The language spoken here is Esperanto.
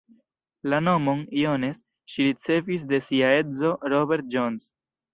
La nomon „Jones“ ŝi ricevis de sia edzo Robert Jones.